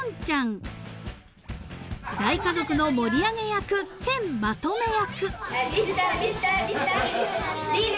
［大家族の盛り上げ役兼まとめ役］